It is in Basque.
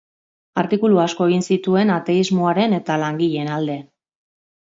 Artikulu asko egin zituen, ateismoaren eta langileen alde.